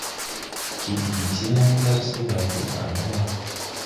Kidgi ti ɛŋtɛrned bay de gaali wà.